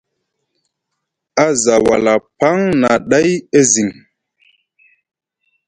A za wala paŋ na ɗay e ziŋ.